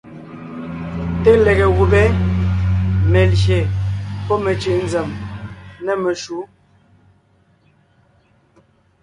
Té lege gùbé (melyè pɔ́ mecʉ̀ʼ nzèm) nê meshǔ.